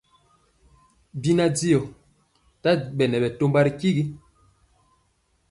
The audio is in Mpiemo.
Bina diɔ tabɛne bɛtɔmba ri tyigi.